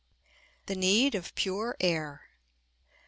THE NEED OF PURE AIR.